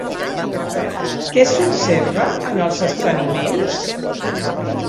Què s'observa en els experiments?